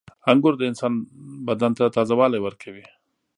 • انګور د انسان بدن ته تازهوالی ورکوي.